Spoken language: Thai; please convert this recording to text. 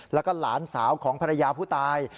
แล้วก็หลานสาวของภรรยาผู้ตาย